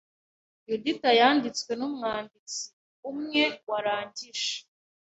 Yudita yanditswe numwanditsi umwe warangije